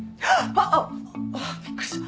あっびっくりした。